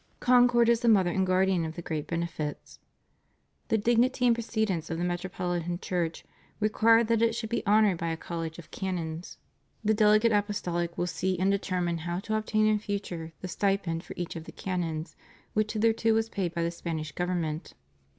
Concord is the mother and guardian of the greatest benefits. The dignity and precedence of the Metropolitan Church require that it should be honored by a College of Canons. ^ THE CHURCH IN THE PHILIPPINES. 547 The Delegate Apostolic will see and determine how to obtain in future the stipend for each of the canons, which hitherto was paid by the Spanish government.